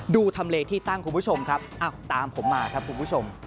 ทำเลที่ตั้งคุณผู้ชมครับตามผมมาครับคุณผู้ชม